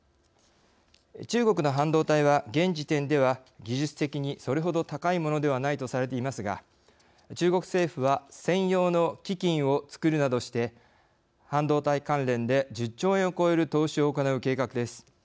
中国の半導体は現時点では技術的にそれほど高いものではないとされていますが中国政府は専用の基金をつくるなどして半導体関連で１０兆円を超える投資を行う計画です。